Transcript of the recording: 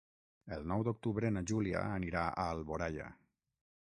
El nou d'octubre na Júlia anirà a Alboraia.